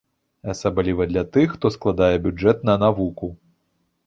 Асабліва для тых, хто складае бюджэт на навуку.